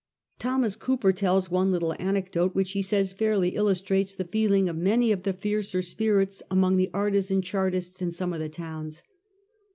Thomas Cooper tells one little anecdote which he says fairly illustrates the feeling of many of the fiercer spirits among the artisan Chartists in some of the towns.